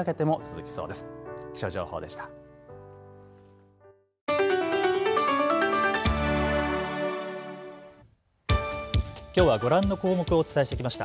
きょうはご覧の項目をお伝えしてきました。